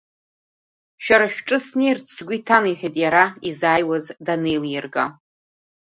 Шәара шәҿы снеирц сгәы иҭан, — иҳәеит иара, изааиуаз данеилирга.